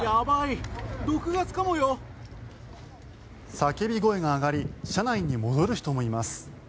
叫び声が上がり車内に戻る人もいます。